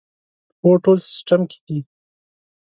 هو، ټول سیسټم کې دي